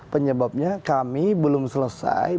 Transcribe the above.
penyebabnya kami belum selesai